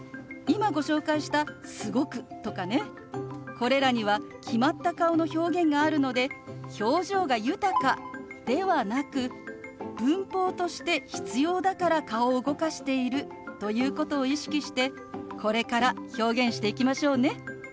これらには決まった顔の表現があるので「表情が豊か」ではなく文法として必要だから顔を動かしているということを意識してこれから表現していきましょうね。